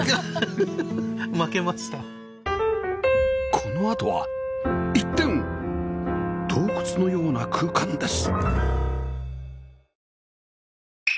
このあとは一転洞窟のような空間です